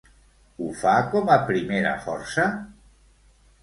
Ho fa com a primera força?